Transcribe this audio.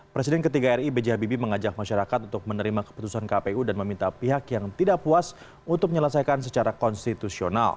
presiden ketiga ri b j habibie mengajak masyarakat untuk menerima keputusan kpu dan meminta pihak yang tidak puas untuk menyelesaikan secara konstitusional